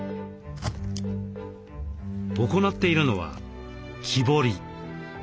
行っているのは木彫り。